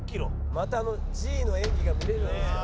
「またあのＧの演技が見れるんですかね？」